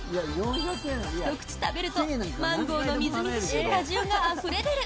ひと口食べるとマンゴーのみずみずしい果汁があふれ出る！